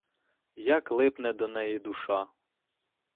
Як липне до неї душа!